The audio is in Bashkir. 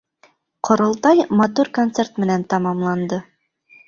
Ҡоролтай матур концерт менән тамамланды.